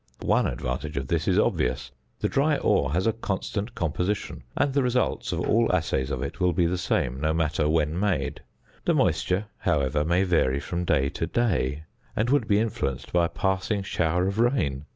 One advantage of this is obvious: The dry ore has a constant composition, and the results of all assays of it will be the same, no matter when made; the moisture, however, may vary from day to day, and would be influenced by a passing shower of rain.